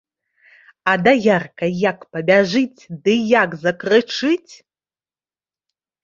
А даярка як пабяжыць ды як закрычыць.